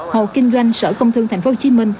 hồ kinh doanh sở công thương tp hcm